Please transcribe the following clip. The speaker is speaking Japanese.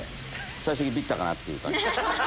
最終的にビッたかなっていう感じ。